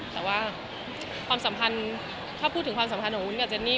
แต่ว่าความสัมพันธ์ถ้าพูดถึงความสัมพันธ์ของวุ้นกับเจนนี่